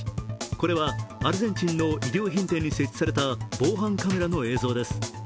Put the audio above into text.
これはアルゼンチンの衣料品店に設置された防犯カメラの映像です。